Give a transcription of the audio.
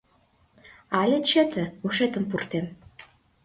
Але чыте, ушетым пуртем.